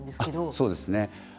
そうですね。